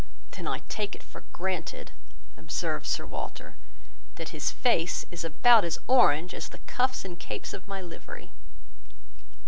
"Then I take it for granted," observed Sir Walter, "that his face is about as orange as the cuffs and capes of my livery."